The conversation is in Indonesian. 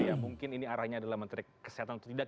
ya mungkin ini arahnya adalah menteri kesehatan atau tidak